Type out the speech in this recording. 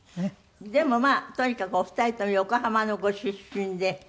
でもまあとにかくお二人とも横浜のご出身で。